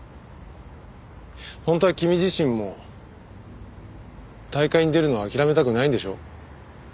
本当は君自身も大会に出るの諦めたくないんでしょ？